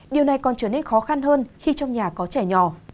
điều này còn trở nên khó khăn hơn khi trong nhà có trẻ nhỏ